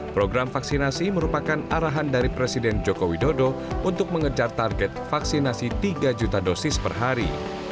program vaksinasi merupakan arahan dari presiden joko widodo untuk mengejar target vaksinasi tiga juta dosis per hari